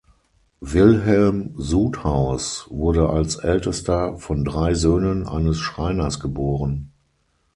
Wilhelm Sudhaus wurde als Ältester von drei Söhnen eines Schreiners geboren.